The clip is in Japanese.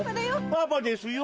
パパですよ！